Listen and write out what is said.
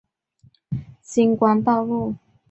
这次比赛让她踏上属于自己的星光道路。